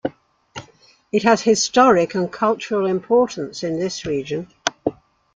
It has historic and cultural importance in this region.